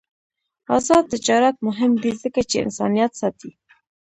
آزاد تجارت مهم دی ځکه چې انسانیت ساتي.